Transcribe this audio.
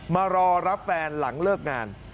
มารอรับแฟนหลังเลิกงาน